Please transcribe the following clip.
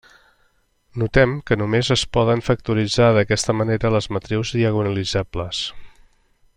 Notem que només es poden factoritzar d'aquesta manera les matrius diagonalitzables.